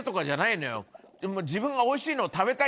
自分がおいしいのを。